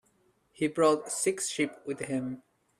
He brought six sheep with him.